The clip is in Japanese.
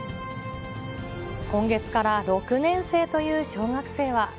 今月から６年生という小学生は。